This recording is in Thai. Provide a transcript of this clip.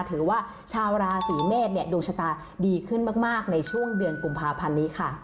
ถือว่าชาวราศีเมษดวงชะตาดีขึ้นมากในช่วงเดือนกุมภาพันธ์นี้ค่ะ